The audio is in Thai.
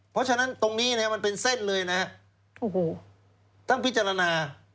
เพราะฉะนั้นตรงนี้เนี่ยมันเป็นเส้นเลยนะฮะโอ้โหต้องพิจารณา